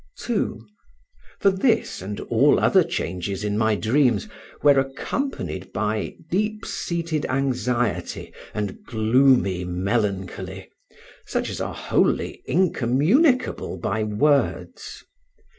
2. For this and all other changes in my dreams were accompanied by deep seated anxiety and gloomy melancholy, such as are wholly incommunicable by words.